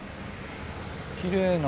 きれいな。